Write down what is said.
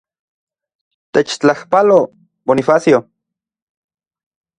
Techtlajpalo, Bonifacio.